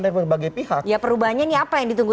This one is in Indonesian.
dari berbagai pihak ya perubahannya ini apa yang ditunggu